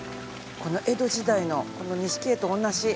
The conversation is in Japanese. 江戸時代のこの錦絵と同じ。